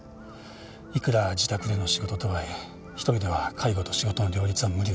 いくら自宅での仕事とはいえ一人では介護と仕事の両立は無理です。